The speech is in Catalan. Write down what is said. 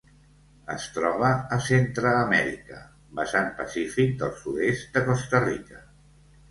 Es troba a Centreamèrica: vessant pacífic del sud-est de Costa Rica.